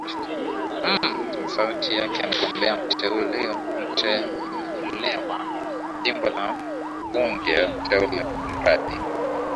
m ni sauti yake mgombea mteulewa jimbo la mbunge mteule kumradhi